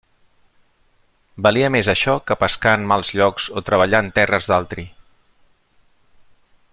Valia més això que pescar en mals llocs o treballar en terres d'altri.